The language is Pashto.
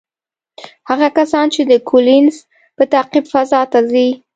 هغه کسان چې د کولینز په تعقیب فضا ته ځي،